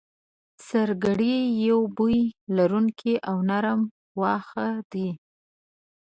سرګړی یو بوی لرونکی او نرم واخه دی